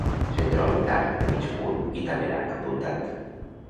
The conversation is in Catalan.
Se'n troben d'arc de mig punt i també d'arc apuntat.